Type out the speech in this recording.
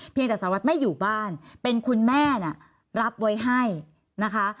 เพียงแต่สารวัตรไม่อยู่บ้านเป็นคุณแม่น่ะรับไว้ให้นะคะ